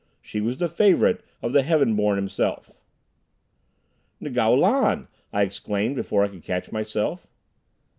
She was the favorite of the Heaven Born himself. "Ngo Lan!" I exclaimed before I could catch myself.